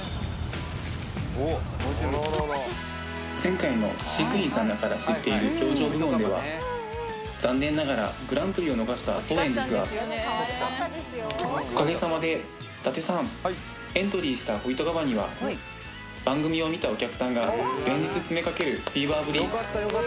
前回の飼育員さんだから知っている表情部門では残念ながらグランプリを逃した当園ですがおかげさまで伊達さんエントリーしたコビトカバには番組を見たお客さんが連日詰めかけるフィーバーぶり